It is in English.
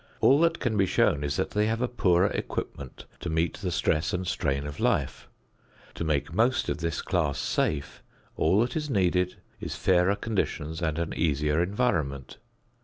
All that can be shown is that they have a poorer equipment to meet the stress and strain of life. To make most of this class safe, all that is needed is fairer conditions and an easier environment.